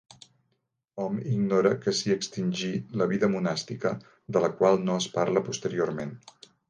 Hom ignora que s'hi extingí la vida monàstica de la qual no es parla posteriorment.